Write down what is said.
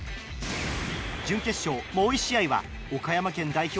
準決勝もう１試合は岡山県代表